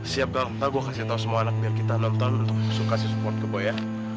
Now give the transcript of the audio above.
siap galau minta gua kasih tau semua anak biar kita lontol untuk kasih support ke boy ya